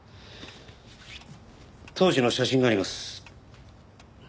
当時の写真があります。